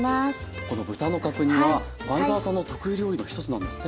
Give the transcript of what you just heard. この豚の角煮は前沢さんの得意料理の一つなんですって？